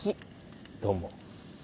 どうも。